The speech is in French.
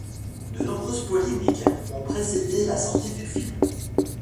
De nombreuses polémiques ont précédé la sortie du film.